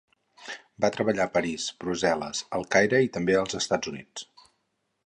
Va treballar a París, Brussel·les, El Caire i també als Estats Units.